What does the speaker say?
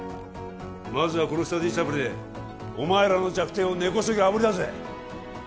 まずはこのスタディサプリでお前らの弱点を根こそぎあぶり出せ！